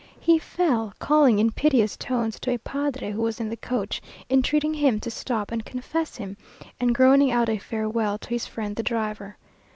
He fell, calling in piteous tones to a padre who was in the coach, entreating him to stop and confess him, and groaning out a farewell to his friend the driver.